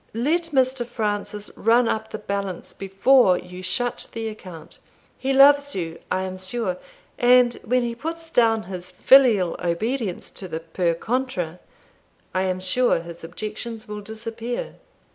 Let Mr. Francis run up the balance before you shut the account; he loves you, I am sure; and when he puts down his filial obedience to the per contra, I am sure his objections will disappear."